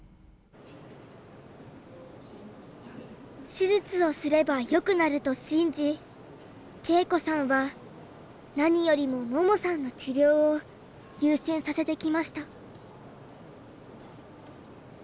手術をすればよくなると信じ恵子さんは何よりも桃さんの治療を優先させてきました。